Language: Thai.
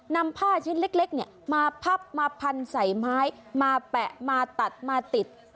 นำผ้าชิ้นเล็กมาพับมาพันใส่ไม้มาแปะมาตัดมาติด